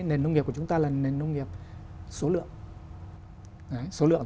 nền nông nghiệp của chúng ta là nền nông nghiệp số lượng